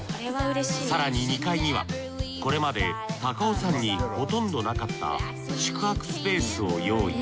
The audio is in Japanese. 更に２階にはこれまで高尾山にほとんどなかった宿泊スペースを用意。